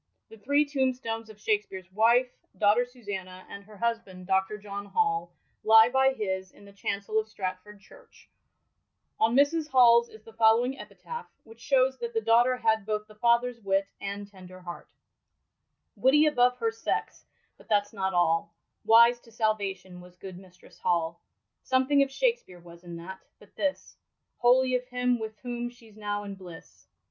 The three tombstones of Shak spere*s wife, daughter Susanna, and her husband. Dr. SHAKSPERE*S DESCENDANTS John Hall, lie by his in the chancel of Stratford Church On Mrs. Hall's is the following epitaph, which shows that the daughter had both the father's wit and tender heart:— "Witty aboTe her sexe, but that's not aU, Wise to salvation was good Mistress Hall : Something of Shakespeare was in that ; hut this, Wholy of him with whom she's now in blisse.